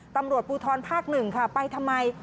ตำรวจภูทรภาคหนึ่งค่ะไปทำไม